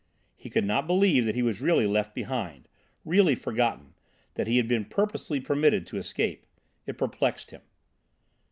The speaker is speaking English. He could not believe that he was really left behind, really forgotten, that he had been purposely permitted to escape. It perplexed him.